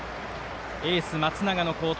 エース松永の好投。